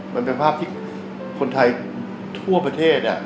มันเป็นภาพที่คนไทยทั่วประเทศ